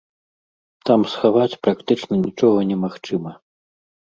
Там схаваць практычна нічога немагчыма.